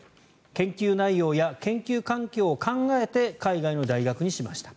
研究内容や研究環境を考えて海外の大学にしました。